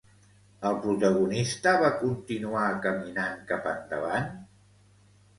El protagonista va continuar caminant cap endavant?